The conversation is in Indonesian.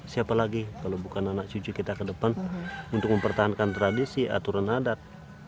siapa lagi kalau bukan anak cucu kita ke depan untuk mempertahankan tradisi aturan adat